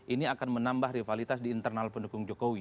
ini akan menambah rivalitas di internal pendukung jokowi